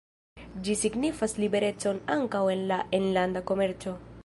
Ĝi signifas liberecon ankaŭ en la enlanda komerco.